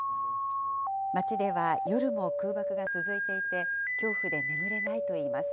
街では夜も空爆が続いていて、恐怖で眠れないといいます。